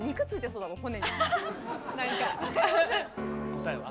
答えは？